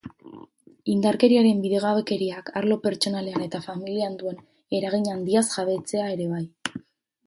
Indarkeriaren bidegabekeriak arlo pertsonalean eta familian duen eragin handiaz jabetzea ere bai.